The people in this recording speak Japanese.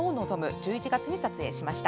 １１月に撮影しました。